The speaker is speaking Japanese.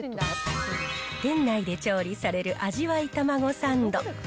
店内で調理される味わいタマゴサンド。